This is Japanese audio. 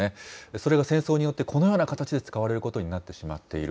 それが戦争によってこのような形で使われることになってしまっている。